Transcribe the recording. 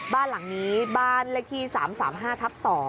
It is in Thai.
บ้านหลังนี้บ้านเลขที่๓๓๕ทับ๒